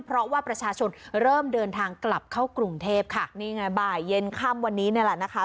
เพราะว่าประชาชนเริ่มเดินทางกลับเข้ากรุงเทพค่ะนี่ไงบ่ายเย็นค่ำวันนี้นี่แหละนะคะ